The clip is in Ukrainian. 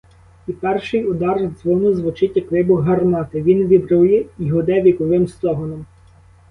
І перший удар дзвону звучить, як вибух гармати, він вібрує й гуде віковим стогоном.